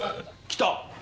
来た。